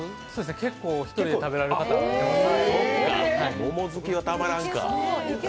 結構、１人で食べられる方いらっしゃいます。